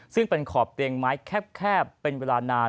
ซึ่งเป็นขอบเตียงไม้แคบเป็นเวลานาน